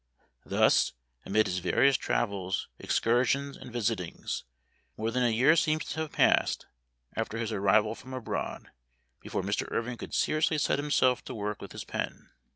Thus, amid his various travels, excursions, and visitings, more than a year seems to have passed, after his arrival from abroad, before Mr. 202 Memoir of Washington Irving. Irving could seriously set himself to work with his pen.